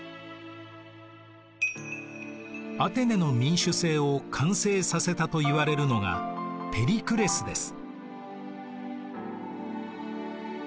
アテネの民主政を完成させたといわれるのがペリクレスです。